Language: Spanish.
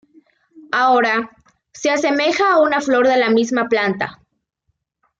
Ahora, se asemeja a una flor de la misma planta.